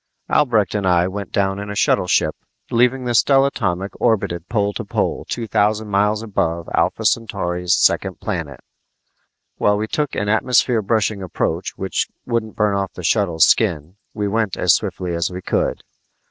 Albrecht and I went down in a shuttleship, leaving the stellatomic orbited pole to pole two thousand miles above Alpha Centauri's second planet. While we took an atmosphere brushing approach which wouldn't burn off the shuttle's skin, we went as swiftly as we could.